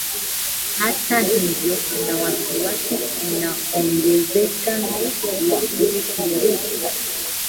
Hata hivyo kuna wasiwasi unaoongezeka wa ushiriki